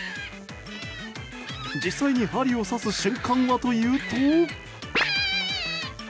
実際に針を刺す瞬間はというと。